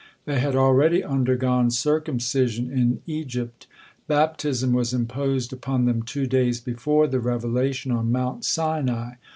They had already undergone circumcision in Egypt. Baptism was imposed upon them two days before the revelation on Mount Sinai.